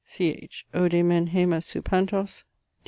CH. Oude men haemas su pantos.